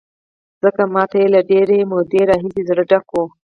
ځکه ما ته یې له ډېرې مودې راهیسې زړه ډک و.